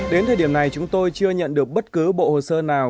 đến thời điểm này chúng tôi chưa nhận được bất cứ bộ hồ sơ nào